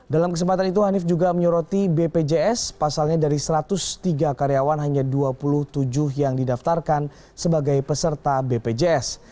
dalam kesempatan itu hanif juga menyoroti bpjs pasalnya dari satu ratus tiga karyawan hanya dua puluh tujuh yang didaftarkan sebagai peserta bpjs